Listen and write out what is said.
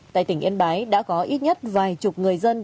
tại tỉnh yên bái đã có ít nhất vài chục người dân